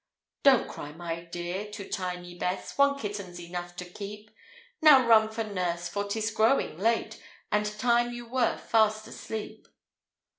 "Don't cry, my dear," to tiny Bess, "One kitten's enough to keep; Now run to nurse, for 'tis growing late, And time you were fast asleep."